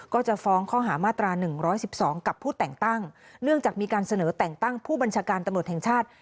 ก็จะฟ้องข้อหามาตรา๑๑๒กับผู้แต่งตั้งเนื่องจากมีการเสนอแต่งตั้งผู้บัญชาการตำรวจแห่งชาติ